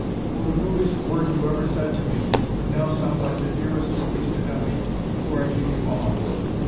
Oh, the rudest word you ever said to me would now sound like the dearest you wasted on me before I gave you all.